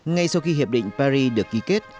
ngay sau khi hiệp định paris được ký kết